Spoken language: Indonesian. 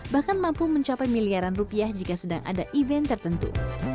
bahkan mampu mencapai miliaran rupiah jika sedang ada event tertentu